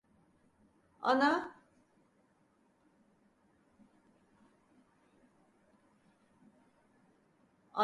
Ana?